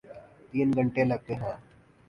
تین گھنٹے لگتے ہیں۔